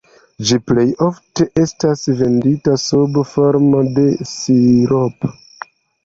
Ĝi plej ofte estas vendita sub formo de siropo.